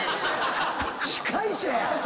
司会者や！